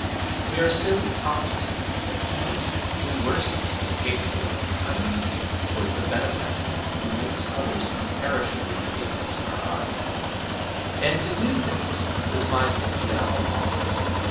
We are so constituted that even the worst of us is capable of a kindly feeling towards the benefactor who makes others imperishably ridiculous in our eyes; and to do this was my métier à moi.